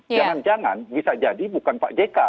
jangan jangan bisa jadi bukan pak jk